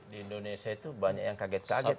di indonesia itu banyak yang kaget kaget